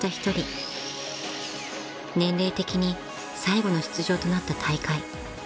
［年齢的に最後の出場となった大会］